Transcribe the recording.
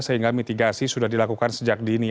sehingga mitigasi sudah dilakukan sejak dini